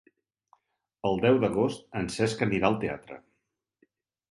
El deu d'agost en Cesc anirà al teatre.